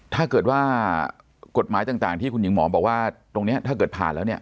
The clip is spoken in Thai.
ถ้าเกิดว่ากฎหมายต่างที่คุณหญิงหมอบอกว่าตรงนี้ถ้าเกิดผ่านแล้วเนี่ย